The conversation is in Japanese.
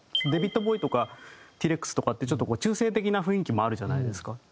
デヴィッド・ボウイとかＴ．ＲＥＸとかってちょっと中性的な雰囲気もあるじゃないですか。